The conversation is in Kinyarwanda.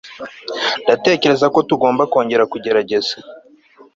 ndatekereza ko tugomba kongera kugerageza